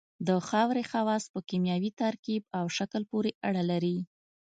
د خاورې خواص په کیمیاوي ترکیب او شکل پورې اړه لري